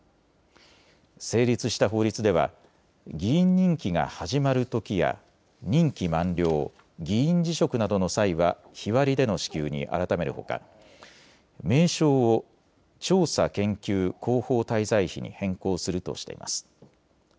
成立した法律では議員任期が始まるときや任期満了、議員辞職などの際は日割りでの支給に改めるほか名称を調査研究広報滞在費に変更するとしています。